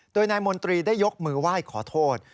โดยนายมนตรีได้ยกมือไหว้ขอโทษ